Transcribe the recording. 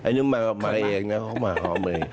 หนึ่งมาเองเขามาหอมเลย